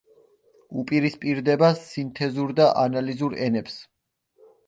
უპირისპირდება სინთეზურ და ანალიზურ ენებს.